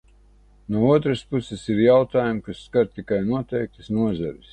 No otras puses, ir jautājumi, kas skar tikai noteiktas nozares.